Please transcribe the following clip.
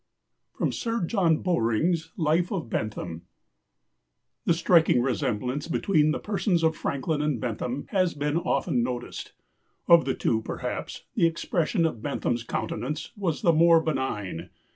'" [Sidenote: Sir John Bowring's Life of Bentham.] "The striking resemblance between the persons of Franklin and Bentham has been often noticed. Of the two, perhaps, the expression of Bentham's countenance was the more benign.